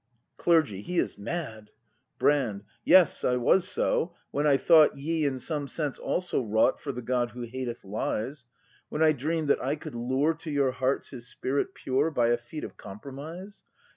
Clergy. He is mad' Brand. Yes, I was so, when I thought Ye in some sense also wrought For the God who hateth Lies! When I dream'd that I could lure To your hearts His Spirit pure By a feat of compromise.